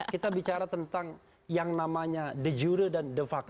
kita bicara tentang yang namanya de jure dan de facto